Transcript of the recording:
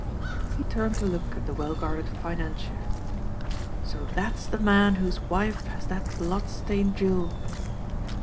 He turned to look at the well guarded financier. "So that's the man whose wife has that blood stained jewel!"